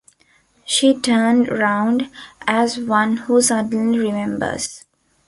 She turned round, as one who suddenly remembers.